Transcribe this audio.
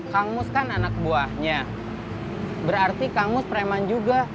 kang mus kan anak buahnya berarti kang mus preman juga